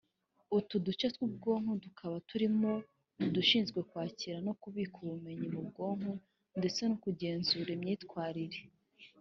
utu duce tw’ubwonko tukaba turimo udushinzwe kwakira no kubika ubumenyi mu bwonko ndetse no kugenzura imyitwarire